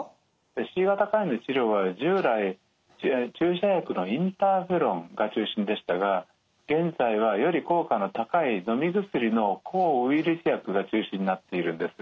Ｃ型肝炎の治療は従来注射薬のインターフェロンが中心でしたが現在はより効果の高いのみ薬の抗ウイルス薬が中心になっているんです。